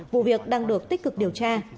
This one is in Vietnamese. vụ việc đang được tích cực điều tra